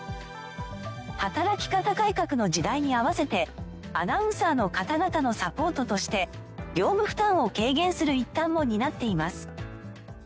働き方改革の時代に合わせてアナウンサーの方々のサポートとして業務負担を軽減する一端も担っています。